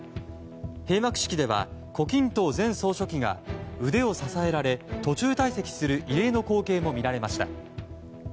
閉幕式では胡錦涛前総書記が腕を支えられ途中退席する異例の光景も見られました。